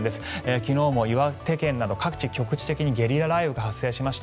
昨日も岩手県など各地で局地的にゲリラ雷雨が発生しました。